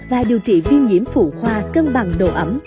và điều trị viêm nhiễm phụ khoa cân bằng độ ẩm